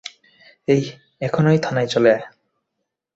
এখনই থানায় চলে আয়।